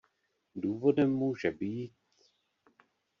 Důvodem může být...